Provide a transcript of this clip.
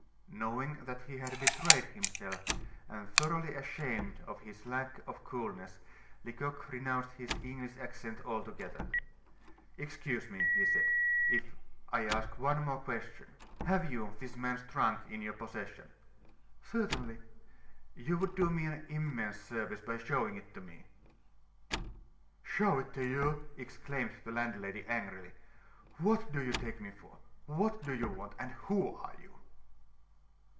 Knowing that he had betrayed himself, and thoroughly ashamed of his lack of coolness, Lecoq renounced his English accent altogether. "Excuse me," he said, "if I ask one more question. Have you this man's trunk in your possession?" "Certainly." "You would do me an immense service by showing it to me." "Show it to you!" exclaimed the landlady, angrily. "What do you take me for? What do you want? and who are you?"